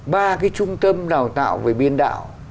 ba cái trung tâm đào tạo về biên đạo